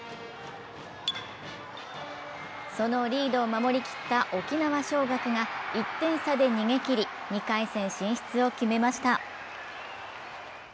そのリードを守り切った沖縄尚学が１点差で逃げきり、２回戦進出を決めました。